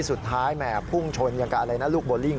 สุดท้ายแหมพุ่งชนอย่างกับอะไรนะลูกโบร่งลิ่ง